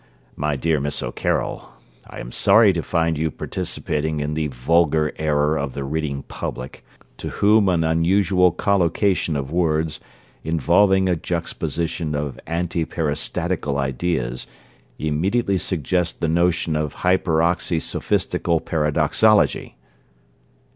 my dear Miss O'Carroll. I am sorry to find you participating in the vulgar error of the reading public, to whom an unusual collocation of words, involving a juxtaposition of antiperistatical ideas, immediately suggests the notion of hyperoxysophistical paradoxology.